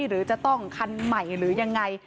หรือจะต้องคันใหม่หรือยังไง